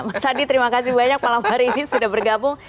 mas hadi terima kasih banyak malam hari ini sudah bergabung